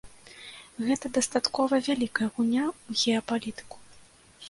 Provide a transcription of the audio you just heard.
Гэта дастаткова вялікая гульня ў геапалітыку.